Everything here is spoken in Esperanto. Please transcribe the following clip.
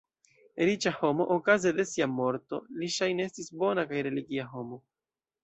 Riĉa homo okaze de sia morto, li ŝajne estis bona kaj religia homo.